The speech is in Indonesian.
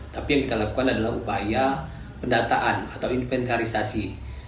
tapi yang kita lakukan adalah upaya pendataan atau inventarisasi